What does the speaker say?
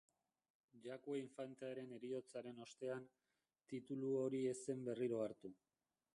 Jakue infantearen heriotzaren ostean, titulu hori ez zen berriro hartu.